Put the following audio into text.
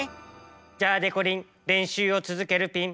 じゃあでこりんれんしゅうをつづけるピン！